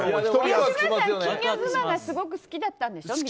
吉村さん、「金魚妻」がすごく好きだったんでしょ。